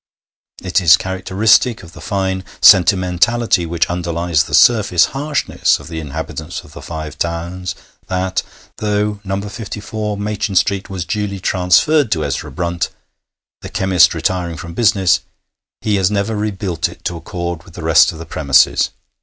It is characteristic of the fine sentimentality which underlies the surface harshness of the inhabitants of the Five Towns that, though No. 54 Machin Street was duly transferred to Ezra Brunt, the chemist retiring from business, he has never rebuilt it to accord with the rest of his premises.